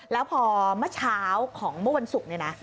แล้วพอเมื่อเช้าของเมื่อวันศุกร์เนี่ยนะ